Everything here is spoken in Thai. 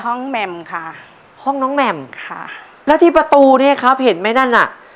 แหม่มค่ะห้องน้องแหม่มค่ะแล้วที่ประตูเนี้ยครับเห็นไหมนั่นน่ะ